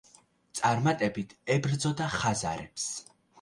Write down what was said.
წარმატებით ებრძოდა ხაზარებს.